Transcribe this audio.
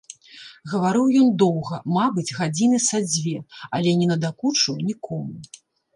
Гаварыў ён доўга, мабыць, гадзіны са дзве, але не надакучыў нікому.